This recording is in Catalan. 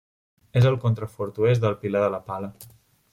És el contrafort oest del Pilar de la Pala.